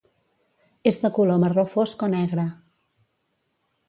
És de color marró fosc o negre.